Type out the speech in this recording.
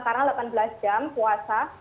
karena delapan belas jam puasa